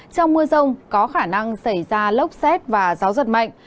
trong mưa rông có khả năng xảy ra lốc xét và gió giật mạnh